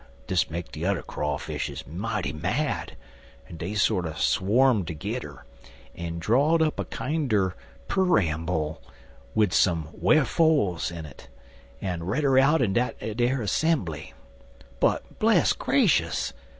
"Dis make de udder Crawfishes mighty mad, en dey sorter swarmed tergedder en draw'd up a kinder peramble wid some wharfo'es in it, en read her out in de 'sembly. But, bless grashus!